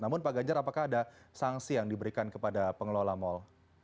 namun pak ganjar apakah ada sanksi yang diberikan kepada pengelola mal